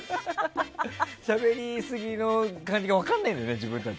しゃべりすぎの感じが分からないんだよね。